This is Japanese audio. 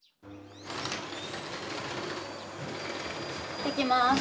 行ってきます。